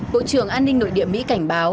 bộ trưởng an ninh nội địa mỹ cảnh báo